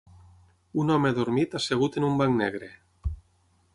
Un home adormit assegut en un banc negre.